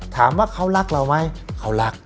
ถามว่าเขารักเราไหมเขารัก